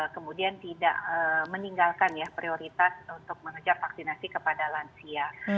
kemudian tidak meninggalkan ya prioritas untuk mengejar vaksinasi kepada lansia